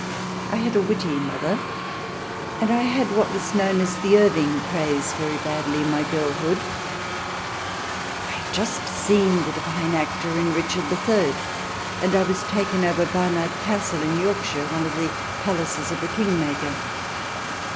I had a witty mother, and I had what was known as the Irving craze very badly in my girlhood. I had just seen the " divine " actor in " Richard III," and I was taken over Barnard Castle, in Yorkshire, one of the palaces of the Kingmaker.